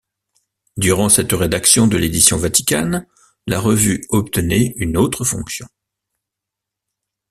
Durant cette rédaction de l'Édition Vaticane, la revue obtenait une autre fonction.